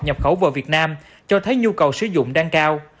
nhập khẩu vào việt nam cho thấy nhu cầu sử dụng đang cao